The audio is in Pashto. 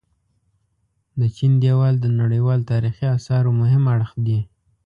د چين ديوال د نړيوال تاريخي اثارو مهم اړخ دي.